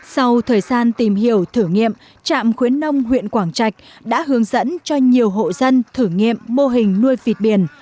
sau thời gian tìm hiểu thử nghiệm trạm khuyến nông huyện quảng trạch đã hướng dẫn cho nhiều hộ dân thử nghiệm mô hình nuôi vịt biển